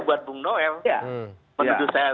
buat bung noel menuju saya